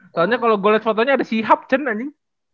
soalnya kalo gue liat fotonya ada si hap cen aja nih